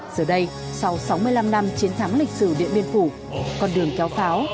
giờ đây sau sáu mươi năm năm chiến thắng lịch sử điện biên phủ con đường kéo pháo